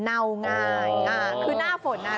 ดอกใหญ่ขายอยู่ที่ราคาดอกละ๒บาท